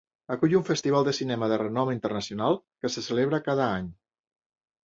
Acull un festival de cinema de renom internacional que se celebra cada any.